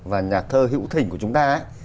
và nhà thơ hữu thình của chúng ta